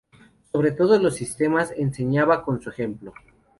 Sobre todos los sistemas, enseñaba con su ejemplo.